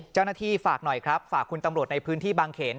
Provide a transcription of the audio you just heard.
เจ้าหน้าที่ฝากหน่อยครับฝากคุณตำรวจในพื้นที่บางเขน